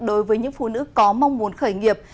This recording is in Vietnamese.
đối với những phụ nữ có mong muốn khởi nghiệp